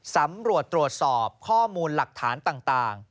สำรวจตรวจสอบข้อมูลหลักฐานต่าง